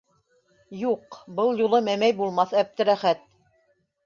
Юҡ, был юлы мәмәй булмаҫ Әптеләхәт.